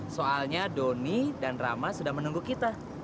soalnya doni dan rama sudah menunggu kita